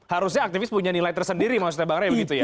harusnya aktivis punya nilai tersendiri maksudnya bang rey begitu ya